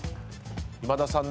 今田さん